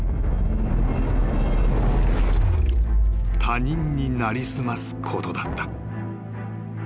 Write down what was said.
［他人に成り済ますことだった］